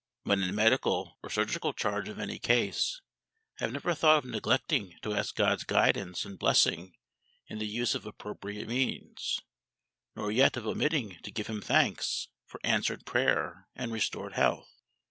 When in medical or surgical charge of any case, I have never thought of neglecting to ask GOD's guidance and blessing in the use of appropriate means, nor yet of omitting to give Him thanks for answered prayer and restored health.